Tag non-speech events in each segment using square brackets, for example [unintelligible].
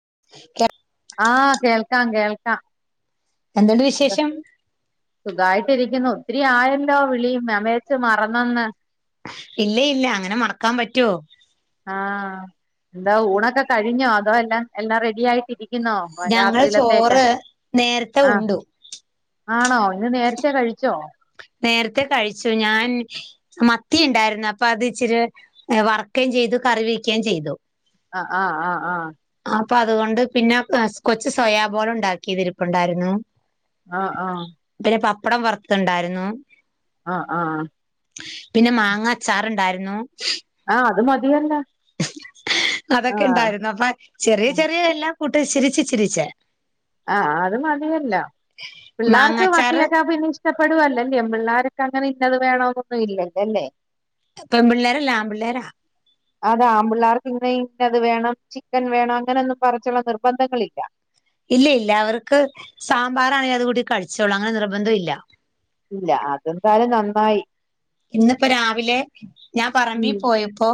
[unintelligible] ആ കേൾക്കാം കേൾക്കാം എന്തുണ്ട് വിശേഷം ട്ടിരിക്കുന്നു ഒത്തിരി ആയല്ലോ വിളി ഞാൻ വിചാരിച്ചു മറന്നെന്ന് ഇല്ല ഇല്ല അങ്ങനെ മറക്കാൻ പറ്റുവോ ആ എന്താ ഊണൊക്കെ കഴിഞ്ഞോ അതോ എല്ലാം എല്ലാം റെഡി ആയിട്ടിരി ക്കുന്നോ ഞങ്ങള് രാത്രിയിലത്തേക്ക് ചോറ് നേരത്തെ ആ ഉണ്ടു. ആണോ ഇന്ന് നേരത്തെേ കഴിച്ചോ നേരത്തെ കഴിച്ചു ഞാൻ മത്തി ഉണ്ടായിരുന്നു അപ്പ അത് ഇച്ചിരി വറക്കുകയും ചെയ്തു കറി വെക്കുകയും ചെയ്തു ആ ആ ആ ആ അപ്പൊ അതുകൊണ്ട് പിന്നെ കൊച്ച് സൊയാബോൾ ഉണ്ടാക്കിയത് ഇരിപ്പുണ്ടായിരുന്നു ആ ആ പിന്നെ പപ്പടം വറത്തത് ഉണ്ടായിരുന്നു ആ ആ പിന്നെ മാങ്ങ അച്ചാറുണ്ടാരുന്നു ആ അത് മതിയല്ലോ അതൊക്കെ ആഹ് ഇണ്ടായിരുന്നു അപ്പ ചെറിയ ചെറിയ എല്ലാ കൂട്ടവും ഇച്ചിരിച്ചേ ഇച്ചിരിച്ചേ ആ അത് മതിയല്ലോ പിള്ളാർക്ക് മാങ്ങാച്ചാറ് മത്തിയൊക്കാ പിന്നെ ഇഷ്ടപ്പെടവല്ലോ അല്ലേ പിള്ളാർക്ക് അങ്ങനെ ഇന്നത് വേണമെന്നൊന്നും ഇല്ലല്ലോ അല്ലേ പെൺപിള്ളേരല്ല ആൺപിള്ളേരാ അതാ ആൺപിള്ളാർ പിന്നെ പിന്നത് വേണം ചിക്കൻ വേണം അങ്ങനെയൊന്നും പറച്ചുള്ള നിർബന്ധങ്ങളില്ല ഇല്ല ഇല്ലാവർക്ക് സാമ്പാറാണെങ്കിൽ അത് കൂട്ടി കഴിച്ചോളാ അങ്ങനെ നിർബന്ധ ഇല്ല ഇല്ല അതെന്തായാലും നന്നായി ഇന്നിപ്പോ രാവിലെ ഞാൻ പറമ്പിൽ ഉം പോയപ്പോ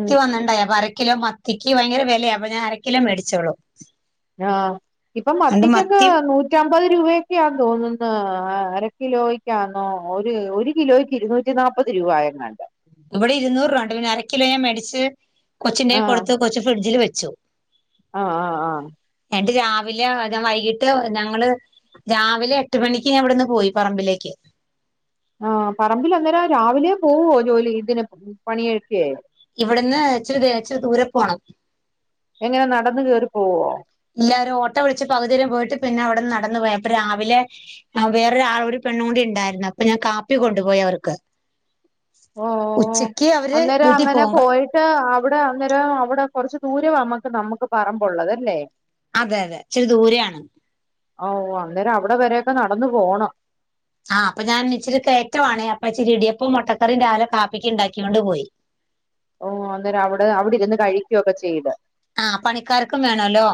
ഉം വന്നിണ്ടായി അര കിലോ മത്തിക്ക് ഭയങ്കര വിലയ അപ്പ ഞാൻ അര കിലോ മേടിച്ചോളൂ ആ ഇപ്പ അണ്ട് മത്തിക്കൊക്കെ മത്തി നൂറ്റം അമ്പത് രൂപയൊക്കെയാ തോന്നുന്നത് അര കിലോക്കാന്നോ ഒരു കിലോയ്ക്ക് ഇരുന്നൂറ്റിനാപ്പത് പ്പത് രൂപയാങ്ങാണ്ട് ഇവിടെ ഇരുന്നൂറ് രൂപുണ്ട് ഞാൻ അരക്കിലോ ഞാൻ മേടിച്ച് കൊച്ചിന്റെ കൊടുത്ത് കൊച്ച് ഫ്രിഡ്ജിൽ വെച്ചു ച്ചു ആ ആ ആ എന്നിട്ട് രാവിലെ ഞാൻ വൈകിട്ട് ഞങ്ങള് രാവിലെ എട്ട് മണിക്ക് ഞാൻ ഇവിടെന്ന് പോയി പറമ്പിലേക്ക് ആ പറമ്പില് അന്നേരം രാവിലെ പോവോ ജോലി ഇതിന് പണിയൊക്കേ ഇവിടുന്ന് ഇച്ചരി ഇച്ച ദൂരെ പോണം എങ്ങനെ നടന്ന് കേറിപ്പോവോ ഇല്ല ഒരു ഓട്ട വിളിച്ച് പകുതി വരെ പോയിട്ട് പിന്നെ അവിടുന്ന് നടന്നു പോയാ അപ്പൊ രാവിലെ വേറൊ ഒരു ആള്കൂടി പെണ്ണൂടി ഉണ്ടായിരുന്നു അപ്പൊ ഞാൻ കാപ്പി കൊണ്ടുപോയി അവർക്ക് ഓ ഉച്ചക്ക് അവര് അന്നേരം വീട്ടിൽ അങ്ങനെ പോകും പോയിട്ട് അവിടെ അന്നേരം അവിടെ കുറച്ച് ദൂരം നമ്മുക്ക് നമുക്ക് പറമ്പുള്ളത് അല്ലെ അതെ അതെ ഇച്ചിരി ദൂരെയാണ് ഓ അന്നേരം അവിടെ വരേക്കെ നടന്നു പോണം ആഹ് അപ്പ ഞാൻ ഇച്ചിരി കയറ്റവാണേ അപ്പച്ചിരി ഇടിയപ്പം മുട്ടക്കറി രാവിലെ കാപ്പിക്ക് ഉണ്ടാക്കിണ്ട് പോയി [inaudible] ഓ അന്നേരം അവിടെ അവിടെ ഇരുന്ന് കഴികുവൊക്കെ ചെയ്ത് ആ പണിക്കാർക്കും വേണല്ലോ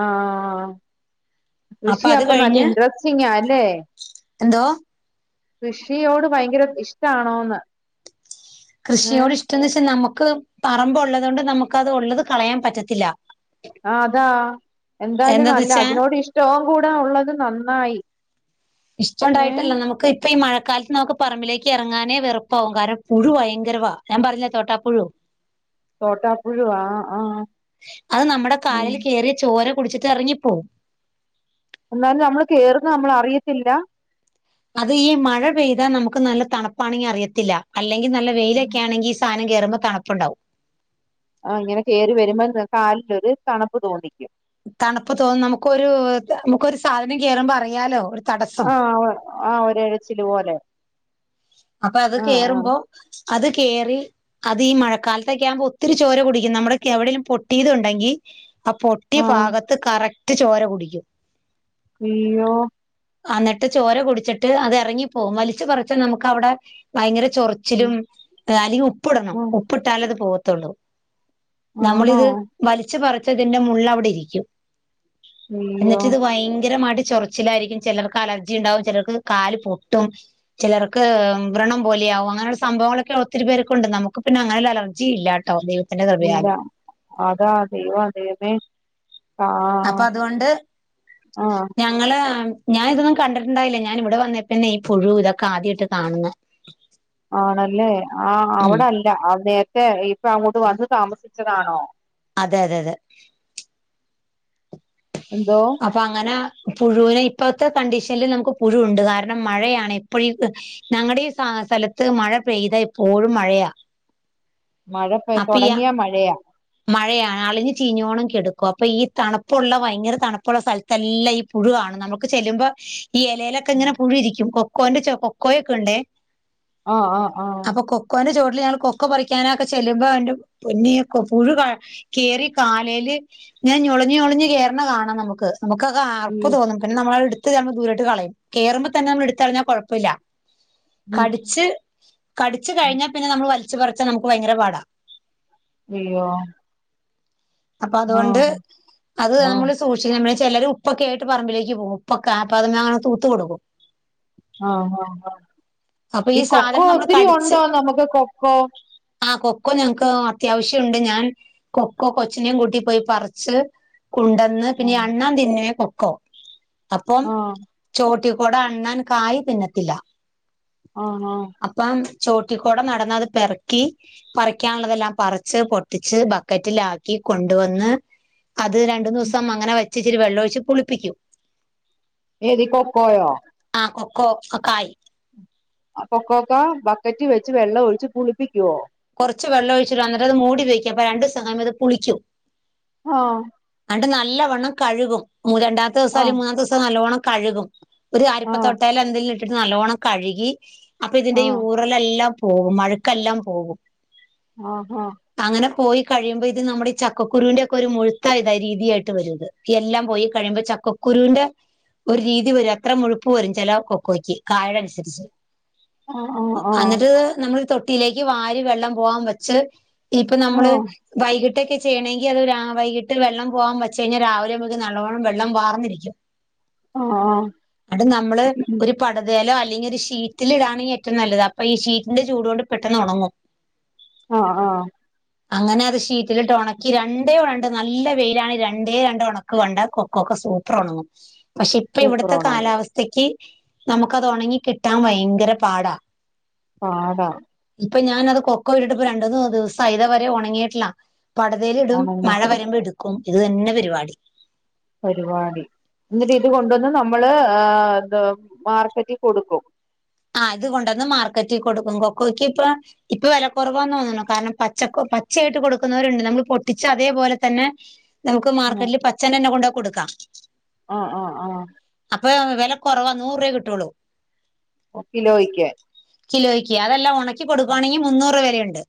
ആ കൃഷി അത് അപ്പൊ നല്ല കഴിഞ്ഞ് ഇൻട്രസ്റ്റിങ്ങാ അല്ലെ എന്തോ കൃഷിയോട് ഭയങ്കര ഇഷ്ടാണോന്ന് ഏഹ് കൃഷിയോട് ഇഷ്ടംന്ന് വെച്ചാ നമുക്ക് പറമ്പ് ഉള്ളത് കൊണ്ട് നമുക്ക് അത് ഉള്ളത് കളയാൻ പറ്റത്തില്ല ആ അതാ എന്തായാലും എന്താന്ന് നല്ല വെച്ചാ അതിനോട് ഇഷ്ടവും കൂടെ ഉള്ളത് നന്നായി ഇഷ്ട ഏഹ് ഉണ്ടായിട്ടല്ല നമുക്ക് ഇപ്പ ഈ മഴ ക്കാലത്ത് നമുക്ക് പറമ്പിലേക്ക് ഇറങ്ങാനേ വെറുപ്പകും കാരണം പുഴുവാ ഭയങ്കരവാ ഞാൻ പറഞ്ഞില്ലേ തോട്ടാ പുഴു തോട്ടാപ്പുഴു ആ ആ അത് നമ്മുടെ കാലിൽ കേറി ചോര കുടിച്ചിട്ട് ഇറങ്ങിപ്പോവും എന്നാലും നമ്മള് കേറുന്നത് നമ്മൾ അറിയത്തില്ല അത് ഈ മഴ പെയ്താ നമുക്ക് നല്ല തണുപ്പാണെങ്കി അറിയത്തില്ല അ അല്ലെങ്കിൽ നല്ല വെയിലൊക്കെ ആണെങ്കിൽ ഈ സാധനം കേറുമ്പോതണുപ്പുണ്ടാകും ആ ഇങ്ങനെ കേറി വരുമ്പോ കാലിലൊരു തണുപ്പ് തോന്നിക്കും തണുപ്പ് തോന്ന നമുക്കൊരു നമുക്കൊരു സാധനം കേറുമ്പോ അറിയാലോ തടസ്സം ആ ആ ഒരേഴച്ചില് പോലെ അപ്പൊ അത് ആഹ് ആഹ് കേറുമ്പോ അത് കേറി അത് ഈ മഴക്കാലത്തൊക്കെ ആവുമ്പോ ഒത്തിരി ചോര കുടിക്കും നമ്മുടെക്കെ എവിടെങ്കിലും പൊട്ടിയതുണ്ടെങ്കി ആ പൊട്ടി ആഹ് ഭാഗത്ത് കറക്റ്റ് ചോര കുടിക്കും അയ്യോ അന്നിട്ട് ചോര കുടിച്ചിട്ട് അത് എറങ്ങിപ്പോകും വലിച്ച് പറച്ച് നമുക്ക് അവടെ ഭയങ്കര ചൊറിച്ചിലും അല്ലെങ്കി ഉപ്പ്ടണം ഉം ഉപ്പ്ട്ടാലത് പോവത്തൊള്ളൂ ആണോ നമ്മളിത് വലിച്ചു പറിച്ചതിന്റെ മുള്ള് അവിടെ ഇരിക്കും അയ്യോ എന്നിട്ട് ഇത് ഭയങ്കരമായിട്ട് ചൊറിച്ചിലായിരിക്കും ചെലർക്ക് അലർജി ഉണ്ടാവും ചെലർക്ക് കാല് പൊട്ടും ചെലർ ക് വ്രണം പോലെയാവും അങ്ങനെയുള്ള സംഭവങ്ങളൊക്കെ ഒത്തിരി പേർക്ക് ഉണ്ട് നമുക്ക് പിന്നെ അങ്ങനെ ഒരു അലർജി ഇല്ല ഇല്ല അതാ ദൈവം അതെന്നേ - അപ്പൊ അതുകൊണ്ട് ആഹ് ഞങ്ങള്- ഞാൻ ഇതൊന്നും കണ്ടിട്ടുണ്ടായില്ല ഞാൻ ഇവെടെ വന്നിട്ടന്നെ ഈ പുഴു ഇതൊക്കെ ആദ്യയായിട്ട് കാണുന്നേ. ആണല്ലേ ആ അവിടെല്ല അതെ ഹേ ഇപ്പൊ അങ്ങോട്ട് വന്ന് താമസിച്ചതാണോ അതെ അതെ അതെ എന്തോ അപ്പൊ അങ്ങനെ പുഴുവിനെ- ഇപ്പോഴത്തെ കണ്ടീഷനില് നമുക്ക് പുഴുണ്ട് കാരണം മഴയാണ് ഇപ്പോഴി ഞങ്ങടെ ഈ സ്ഥലത്ത് മഴ- പെയ്താ എപ്പോഴും മഴയാ മഴ പ അപ്പൊ ഈ തൊടങ്ങിയാ മഴയാ മഴയാണ് അളിഞ്ഞ് ചീഞ്ഞോണം കെടക്കും അപ്പൊ ഈ തണുപ്പുള്ള ഭയങ്കര തണുപ്പുള്ള സ്ഥലത്തെല്ലാം ഈ പുഴു.. പുഴുവാണ് നമുക്ക് ചെല്ലുമ്പോ ഈ എലേലൊക്കെ ഇങ്ങനെ പുഴുയിരിക്കും കൊക്കോന്റെ കൊക്കോയൊക്കെയുണ്ടേ ആഹ് ആഹ് ആഹ് ഞങ്ങള് കൊക്കോ പറിക്കാനൊക്കെ ചെല്ലുമ്പോ എന്റെ പൊന്നെ- പുഴു ക കേറി കാലേല് ഇങ്ങനെ ഞൊളഞ്ഞ് ഞൊളഞ്ഞ് കേറണ കാണാം നമുക്ക് നമുക്കൊക്കെ ആഅർപ്പ് ഉം തോന്നും പിന്നെ നമ്മള് എടുത്ത് നമ്മള് ദൂരോട്ട് കളയും കേറുമ്പോ തന്നെ നമ്മള് എടുത്ത്കളഞ്ഞാൽ കൊഴപ്പല്ല ഉം കടിച്ച് കടിച്ച് കഴിഞ്ഞാപിന്നെ നമ്മള് വ- വലിച്ച് പറച്ചാ നമുക്ക് ഭയങ്കര പാടാ.. അയ്യോ ആ അപ്പോഅതുകൊണ്ട് അതു ആ നമ്മളെ സൂക്ഷിക്കണേ ചെലർ ഉപ്പൊക്കെയായിട്ട് പറമ്പിലേക്ക് പോകും ഉപ്പൊക്കെ അപ്പൊ അത് [unintelligible] തൂത്ത്കൊടുക്കും ആഹ് ഹാ ഹാ ഈ കൊക്കോ സാധനം നമ്മള് ഒത്തിരി ഉണ്ടോ നമുക്ക് കൊക്കോ ആ കൊക്കോ ഞങ്ങക്ക് അത്യാവശ്യണ്ട് ഞാൻ കൊക്കോ കൊച്ചിനെയും കൂട്ടി പോയി പറച്ച്.. ക്കൊണ്ടന്ന് ആ പിന്നെ അണ്ണാ തിന്നേ കൊക്കോ അപ്പം ആ ചോട്ടി ഇവടെ അണ്ണാൻ കായിതിന്നത്തില്ല. ആഹ് ആഹ് ചോട്ടിക്കൂട നടന്ന് അത് പെറിക്കി പറിക്കാനുള്ളതെല്ലാം പറിച്ച് പൊട്ടിച്ച് ബക്കറ്റിലാക്കി. കൊണ്ടുവന്ന് അത് രണ്ടു ദിവസം അങ്ങനെ വച്ച്‌ ഇച്ചിരിവെള്ളൊഴിയിച്ച് പുളിപ്പിക്കും. ഏത് കൊകൊയോ ആഹ് കൊക്കോ ക്കായ് അപ്പകൊക്കോ ബക്കറ്റി വെച്ച് വെള്ളം ഒഴിച്ച് പുളിപ്പിക്കോ കുറച്ച് വെള്ളം ഒഴിച്ചിട്ട് അന്നിട്ട്അത് മൂടി വയ്കും അപ്പൊ രണ്ടുദിവസം കഴിഞ്ഞ് അത് പുളിക്കും ആഹ് എന്നിട്ട് നല്ലവണ്ണം കഴുകും രണ്ടാമത്തെ ദിവസം ആ അല്ലെങ്കിൽ മൂന്നാമത്തെ ദിവസം നല്ലവണ്ണം കഴുകും ഒരു ആ അരിപ്പ തൊട്ടേൽ എന്തെങ്കിലും ഇട്ടിട്ട് നല്ലവോണം കഴുകി അപ്പൊ ഇതിന്റെ ആ ഈ ഊറലെല്ലാം പോകും മഴക്കെല്ലാം പോകും ആഹ് ഹാ അങ്ങനെ പോയി കഴിയുമ്പോ ഇത് നമ്മുടെ ഈ ചക്കുരുവിന്റെയൊക്കെ ഒരു മുഴുത്ത ഇതായ രീതിയായിട്ടരുത് എല്ലാം പോയി കഴിയുമ്പോ ചക്കക്കുരു കുരുവിന്റെ ഒരു രീതി വരും അത്ര മുഴുപ്പ് വരും ചില കൊക്കോയ്ക്ക് കായടെ അനുസരിച്ച് ആ ആ ആ എന്നിട്ട് ആ നമ്മളെ തൊട്ടിയിലേക്ക് വാരി വെള്ളം പോവാൻ വച്ച് ഇനിപ്പ ആ നമ്മള് വൈകിട്ട് ഇട്ടൊക്കെ ചെയ്യണെങ്കിൽ അത് ഒരു വൈകിട്ട് വെള്ളം പോകാൻ വെച്ചു കഴിഞ്ഞാൽ രാവിലെ നമുക്ക് നല്ലോണം വെള്ളം വാർന്നിരിക്കും അത് നമ്മള് ഒരു പടതയിലായി ല്ലെങ്കിരു ഷീറ്റിൽ ഇടാണെ ഏറ്റോം നല്ലത് അപ്പ ഈ ഷീറ്റിന്റെ ചൂടൊണ്ട് പെട്ടെന്നൊണങ്ങും ആഹ് ആഹ് അങ്ങനെ അത് ഷീറ്റിലിട്ട് ഒണക്കി രണ്ടേ രണ്ട് നല്ല വെയിലാണ് രണ്ടേ രണ്ട് ഒണക്ക് കൊണ്ട് കൊക്കൊക്ക സൂപ്റൊണങ്ങും പക്ഷെ ഇപ്പ ഇവിടുത്തെ സൂപ്പറാണ് കാലാവസ്ഥക്ക് നമുക്ക് അത് ഒണങ്ങി കിട്ടാൻ ഭയങ്കര പാടാ പാടാ അപ്പൊ ഞാനത് കൊക്ക ഇട്ടിട്ട് ഇപ്പ രണ്ട് മൂന്ന് ദിവസം ആയി ഇതവരെ ഉണങ്ങിയിട്ടില്ല പടതയിലിടും ഒണങ്ങി മഴ വരുമ്പോ എടുക്കും ഇത് തന്നെ പരിപാടി പരിപാടി എന്നിട്ട് ഇത് കൊണ്ടന്ന് നമ്മള് ആ എന്ത മാർക്കറ്റിൽ കൊടുക്കും ആ ഇത് കൊണ്ടന്ന് മാർക്കറ്റിൽ കൊടുക്കും കൊക്കോയ്ക്ക് ഇപ്പൊ ഇപ്പൊ വില കുറവാന്ന് തോന്നണ കാരണം പച്ചക്കോ പച്ച പച്ചയായിട്ട് കൊടുക്കുന്നവരുണ്ട് നമ്മൾ പൊട്ടിച്ച അതേപോലെ തന്നെ നമുക്ക് മാർക്കറ്റിൽ പച്ചനന്ന കൊണ്ടോയി കൊടുക്കാം ആഹ ആഹ ആഹ അപ്പൊ വില കുറവാ നൂറ് രൂപയേ കിട്ടുവുള്ളൂ ഓ കിലോക്ക് കിലോയ്ക്ക് അതെല്ലാം ഉണക്കി കൊടുക്കുവാണെങ്കി മുന്നൂറ് രൂപ വരെയുണ്ട്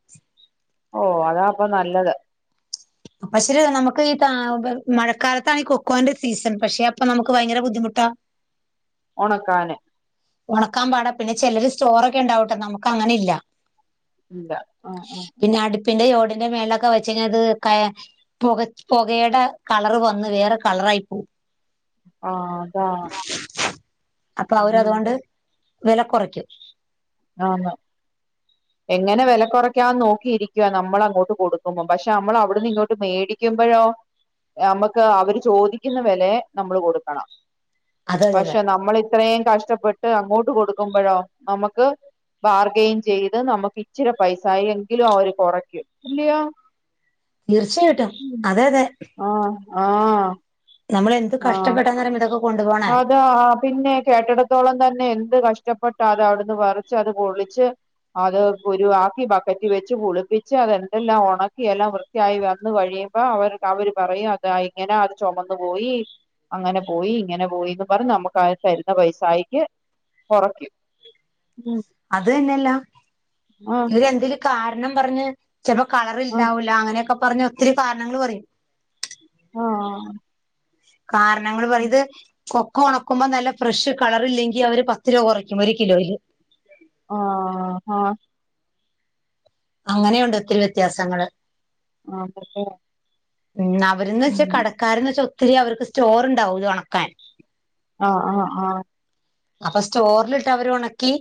ഓ അതാപ്പൊ നല്ലത് അപ്പ ശരി നമുക്ക് ഈ മഴക്കാലത്താണ് ഈ കൊക്കോന്റെ സീസൺ പക്ഷെ അപ്പൊ നമുക്ക് ഭയങ്കര ബുദ്ധി ബുദ്ധിമുട്ടാ ഉണക്കാനെ ഉണക്കാൻ പാടാ പിന്നെ ചിലർ സ്റ്റോറൊക്കെ ഉണ്ടാവട്ടെ നമുക്ക് അങ്ങനെ ഇല്ല ഉന്താ ആ ആ ഉ ന്റെ മേളിലൊക്കെ വെച്ച് കഴിഞ്ഞ അത് പുക പുകയുടെ കളർ വന്ന് വേറെ കളറായി പോവും ആഹ അതാ അപ്പൊ അവര് ഉം അതുകൊണ്ട് വില കുറക്കും ആഹ ഹ എങ്ങനെ വില കുറയ്ക്കാന്ന് നോക്കിയിരിക്കവാ നമ്മൾ അങ്ങോട്ട് കൊടുക്കുമ്പോം പക്ഷെ നമ്മൾ അവിടുന്ന് ഇങ്ങോട്ട് മേടിക്കുമ്പോഴോ നമുക്ക് അവര് ചോദിക്കുന്ന വിലയെ നമ്മള് കൊടുക്കണം അതെ അതെ അതെ പക്ഷെ നമ്മൾ ഇത്രയും കഷ്ടപ്പെട്ട് അങ്ങോട്ട് കൊടുക്കുമ്പോഴോ നമുക്ക് ബാർഗെയിൻ ചെയ്ത് നമുക്ക് ഇച്ചിരി പൈസ ആ എങ്കിലും അവര് കുറയ്ക്കും ഇല്ലയോ തീർച്ചയായിട്ടും അതെ അതെ ആഹ നമ്മള് എന്ത് കഷ്ടപ്പെട്ടന്നറിയാമോ ഇതൊക്കെ കൊണ്ടുപോണേ അതാ പിന്നെ കേട്ടിടത്തോളം തന്നെ എന്ത് കഷ് ഷ്ടപ്പെട്ട് അത അവിടുന്ന് വരച്ച് അത് പൊള്ളിച്ച് അത് കുരുവാക്കി ബക്കറ്റ് വെച്ച് കുളിപ്പിച്ച് അത് എന്തെല്ലാം ഉണക്കി എല്ലാം വൃത്തിയായി വന്ന വഴിയ അപ്പോ അവര് അവര് പറയും അത് ഇങ്ങനെ അത് ചുമന്നു പോയി അങ്ങനെ പോയി ഇങ്ങനെ പോയിന്നു പറഞ്ഞ് നമുക്ക് അവര് തരുന്ന പൈസായിട്ട് കുറയ്ക്കും അത് തന്നെയല്ല ആഹ് ഇവര് എന്തേലും കാരണം പറഞ്ഞ് ചിലപ്പോ കളർ ആഹ് ഇണ്ടാവൂല അങ്ങനെയൊക്കെ പറഞ്ഞ ഒത്തിരി കാരണങ്ങൾ പറയും ആ കാരണങ്ങള് പറയത് കൊക്ക ഉണക്കുമ്പോ നല്ല ഫ്രഷ് കളർ ഇല്ലെങ്കി അവര് പത്ത് രൂപ കുറയ്ക്കും ഒരു കിലോയില് ആ ആ അങ്ങനെയുണ്ട് ഒത്തിരി വ്യത്യാസങ്ങള് ആ [unintelligible] മ് അവർന്ന് വെച്ചാ കടക്കാരന്ന് വെച്ചാ ഒത്തിരി അവർക്ക് സ്റ്റോർ ഉണ്ടാവും ഇത് ഉണക്കാൻ ആ ആ ആ അപ്പൊ സ്റ്റോറിലിട്ട് അവര് ഉണക്കി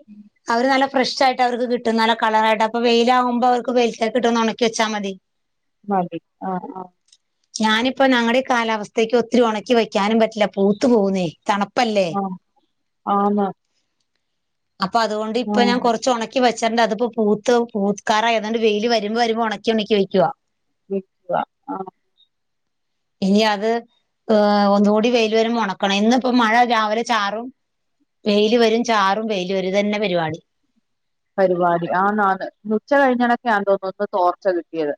അവര് നല്ല ഫ്രഷ ആായിട്ട് അവർക്ക് കിട്ടുന്നല്ല കളറായിട്ട് അപ്പ വെയിലാവകുമ്പോ അവർക്ക് വെയിലൽക്ക കിട്ടുംന്ന് ഉണക്കി വച്ചാൽ മതി മതി ആ ആ ഞാനിപ്പ ഞങ്ങളുടെ കാലാവസ്ഥയ്ക്ക് ഒത്തിരി ഉണക്കി വയ്ക്കാനും പറ്റില്ല പൂത്തു പോകുന്നേ [unintelligible] പല്ലെ ആഹ് ആന്ന് അപ്പൊ അതുകൊണ്ട് ഇപ്പ ആഹ് ഞാൻ കുറച്ച് ഉണക്കി വച്ചു വച്ചട്ടണ്ട് അതിപ്പോ പൂത്ത് പൂത്താരായ താണ്ട് വെയില് വരുമ്പോ വരുമ്പോൾ ഉണക്കി ഉണക്കി വെക്കവാ [unintelligible] ആ [inaudible] ഇനി അത് ഏ ഒന്നുകൂടി വെൽ വരുമ്പോ ഉണക്കണം ഇന്ന് ഇപ്പ മഴ രാവിലെ ചാറും വെയില് വരും ചാറും വെയില് വരും തന്നെ പരിപാടി പരിപാടി ആണ് ഉച്ച കഴിഞ്ഞണൊക്കെയാ തോന്നന്ന് തോർച്ച കിട്ടിയത്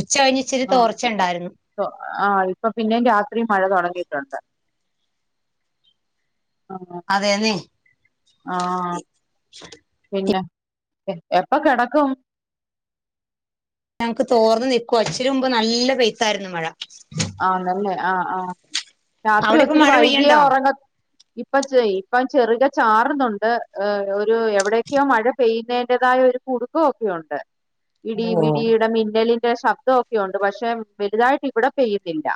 ഉച്ച കഴിഞ്ഞ് ഇച്ചിരി ആ തോർച്ച ഉണ്ടായിരുന്നു ആ ഇപ്പൊ പിന്നെ രാത്രി മഴ തുടങ്ങി [unintelligible] ആ അതേന്നെ ആ പിന്നെ എപ്പൊ കിടക്കും ഞമുക്ക് തോർന്ന നിൽക്കും അച്ച്ചരി മുമ്പ് നല്ല പെയ്ത്തായിരുന്നു മഴ ആ നല്ലേ ആ ആ രാത്രി അവിടെ ഇപ്പ ഒത്തിരി മഴ വൈകിയാ പെയ്യണ്ടോ ഉറങ്ങ ഇപ്പൊ ഇപ്പം ചെറുക ചാറുന്നുണ്ട് ഒരു എവിടെയൊക്കെയോ മഴ പെയ്യുന്നതിറതായ ഒരു കുടുക്കം ഒക്കെയുണ്ട് ഇടി ഓ ഇടിടെ മിന്നലിന്റെ ശബ്ദംക്കെ ഉണ്ട് പക്ഷെ വലുതായിട്ട് ഇവിടെ പെയ്യതില്ല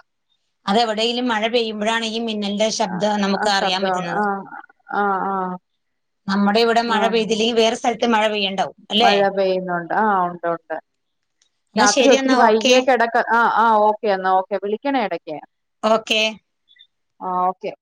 അതെവിടെേങ്കലും മഴ പെയ്യുമ്പോഴാണ് ഈ മിന്നലിന്റെ ശബ്ദം ആ നമുക്ക് അറിയാൻ ശബ്ദം പറ്റുന്നത് ആ ആ ആ നമ്മുടെ ഇവിടെ ആ മഴ പെയ്തില്ലെങ്കിൽ വേറെ സ്ഥലത്ത് മഴ പെയ്യ മഴ പെയ്യുന്നുണ്ട് ആ ഉണ്ട് ഉണ്ട് എന്നാ രാത്രി ശരി ഒത്തിരി എന്നാ ഓക്കെ വൈകിയൊക്കെ ഇടക്ക ആ ആ ഓക്കെ എന്നാൽ ഓക്കെ വിളിക്കണേ ഇടയ്ക്കേ ഓക്കെ ആ ഓക്കെ